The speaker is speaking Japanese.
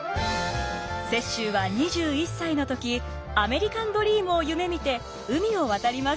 雪洲は２１歳の時アメリカンドリームを夢みて海を渡ります。